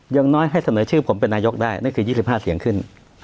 อย่างน้อยให้เสนอชื่อผมเป็นนายกได้นั่นคือ๒๕เสียงขึ้น